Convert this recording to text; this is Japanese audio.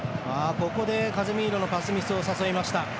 カゼミーロのパスミスを誘いました。